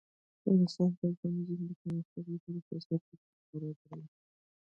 نورستان د افغان نجونو د پرمختګ لپاره فرصتونه برابروي.